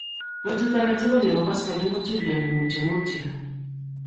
betut aketukul nebo koskoleny kootulionii mutyomutyo